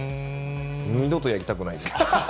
二度とやりたくないです。